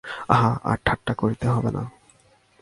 আহা, আর ঠাট্টা করিতে হইবে না।